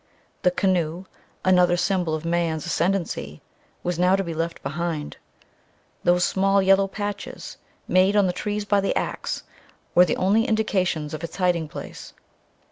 The canoe, another symbol of man's ascendancy, was now to be left behind. Those small yellow patches, made on the trees by the axe, were the only indications of its hiding place.